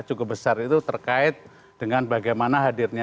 cukup besar itu terkait dengan bagaimana hadirnya